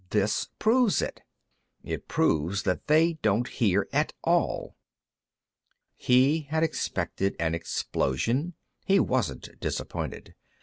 This proves it. "It proves that they don't hear at all." He had expected an explosion; he wasn't disappointed.